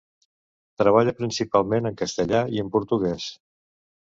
Treballa principalment en castellà i en portuguès.